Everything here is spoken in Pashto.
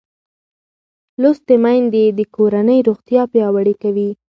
لوستې میندې د کورنۍ روغتیا پیاوړې کوي